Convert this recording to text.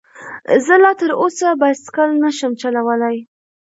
زه لا تر اوسه بايسکل نشم چلولی